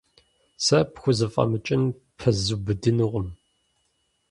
Сэ пхузэфӀэмыкӀын ппэзубыдынукъым.